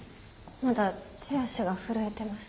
まだ手足が震えてます。